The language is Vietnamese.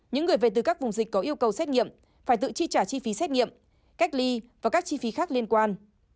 những người về từ các vùng dịch có yêu cầu xét nghiệm phải tự chi trả chi phí xét nghiệm cách ly và các chi phí khác liên quan